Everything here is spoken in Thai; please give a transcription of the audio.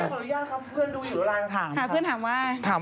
พี่ได้ยังขออนุญาตครับเพื่อนดูอยู่ไลน์ถาม